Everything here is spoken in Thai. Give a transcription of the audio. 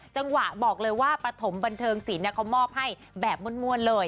จังหวะบอกเลยว่าประถมบันเทิงสีหน้าเขมาบให้แบบม่วนเลย